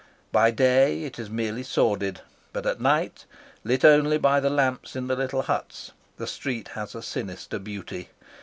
By day it is merely sordid, but at night, lit only by the lamps in the little huts, the street has a sinister beauty.